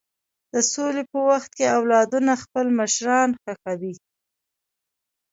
د سولې په وخت کې اولادونه خپل مشران ښخوي.